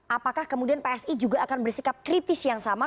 apakah kemudian psi juga akan bersikap kritis yang sama